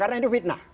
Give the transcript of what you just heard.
karena itu fitnah